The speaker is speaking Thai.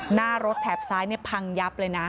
หน้ารถแถบซ้ายเนี่ยพังยับเลยนะ